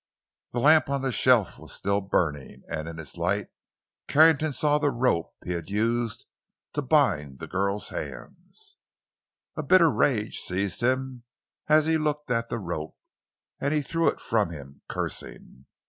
The lamp on the shelf was still burning, and in its light Carrington saw the rope he had used to bind the girl's hands. A bitter rage seized him as he looked at the rope, and he threw it from him, cursing.